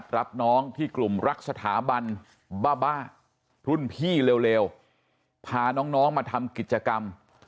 รับน้องที่กลุ่มรักสถาบันบ้าบ้ารุ่นพี่เร็วพาน้องมาทำกิจกรรม